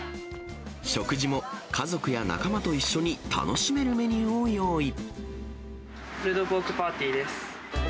食事も、家族や仲間と一緒に楽しめるメニューを用意。